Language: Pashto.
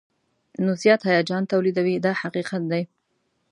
نو زیات هیجان تولیدوي دا حقیقت دی.